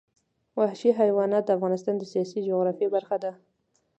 وحشي حیوانات د افغانستان د سیاسي جغرافیه برخه ده.